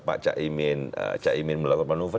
pak caimin melakukan manuver